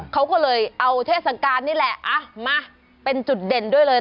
เขาก็เลยเอาเทศกาลนี่แหละมาเป็นจุดเด่นด้วยเลย